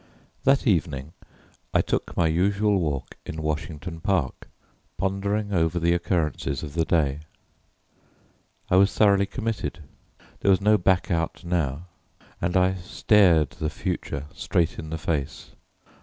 That evening I took my usual walk in Washington Park, pondering over the occurrences of the day. I was thoroughly committed. There was no back out now, and I stared the future straight in the face.